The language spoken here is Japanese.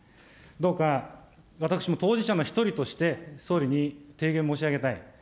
どうか私も当事者の１人として、総理に提言申し上げたい。